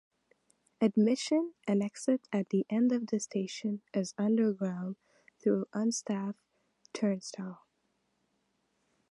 Admission and exit at this end of the station is underground through unstaffed turnstiles.